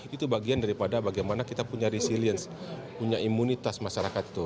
itu bagian daripada bagaimana kita punya resilience punya imunitas masyarakat itu